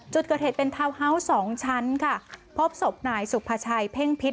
จุดเกิดเหตุเป็นทาวน์ฮาวส์สองชั้นค่ะพบศพนายสุภาชัยเพ่งพิษ